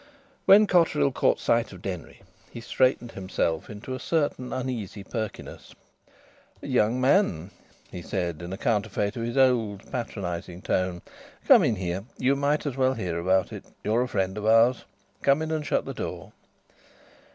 When Cotterill caught sight of Denry he straightened himself into a certain uneasy perkiness. "Young man," he said in a counterfeit of his old patronising tone, "come in here. You may as well hear about it. You're a friend of ours. Come in and shut the door."